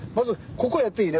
ここやっていいね？